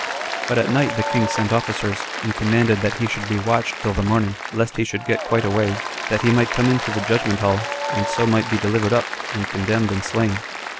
4. But at night the king sent officers, and commanded that he should be watched till the morning, lest he should get quite away, that he might come into the judgment hall, and so might be delivered up, and condemned and slain.